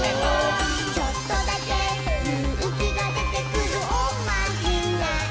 「ちょっとだけゆうきがでてくるおまじない」